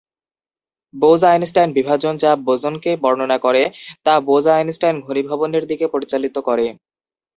Bose-Einstein বিভাজন, যা বোসনকে বর্ণনা করে, তা বোস-আইনস্টাইন ঘনীভবনের দিকে পরিচালিত করে।